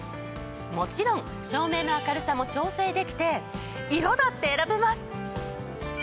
もちろん照明の明るさも調整できて色だって選べます！